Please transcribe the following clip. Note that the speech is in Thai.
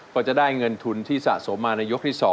ก็จะได้เงินทุนที่สะสมมาในยกที่๒